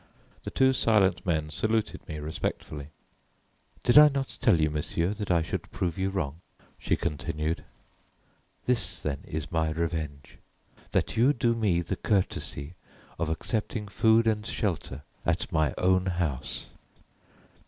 The two silent men saluted me respectfully. "Did I not tell you, monsieur, that I should prove you wrong?" she continued. "This, then, is my revenge, that you do me the courtesy of accepting food and shelter at my own house."